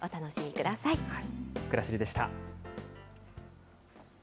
くらしりでした。